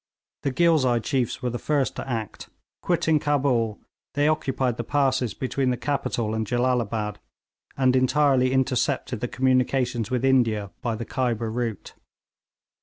The Ghilzai chiefs were the first to act. Quitting Cabul, they occupied the passes between the capital and Jellalabad, and entirely intercepted the communications with India by the Khyber route.